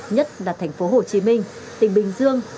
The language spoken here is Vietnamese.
nhất là thành phố hồ chí minh tỉnh bình dương